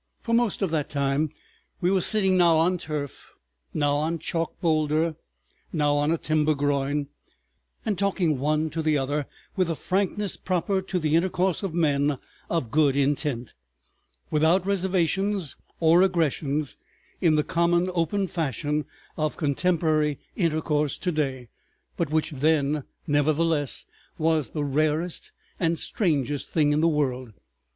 For most of that time we were sitting now on turf, now on a chalk boulder, now on a timber groin, and talking one to the other, with the frankness proper to the intercourse of men of good intent, without reservations or aggressions, in the common, open fashion of contemporary intercourse to day, but which then, nevertheless, was the rarest and strangest thing in the world.